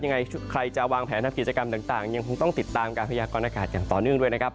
ยังไงใครจะวางแผนทำกิจกรรมต่างยังคงต้องติดตามการพยากรณากาศอย่างต่อเนื่องด้วยนะครับ